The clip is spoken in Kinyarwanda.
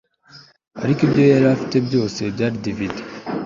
ariko ibyo yari afite byose byari DVD